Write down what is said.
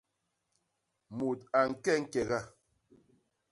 Mut a ñke ñkega.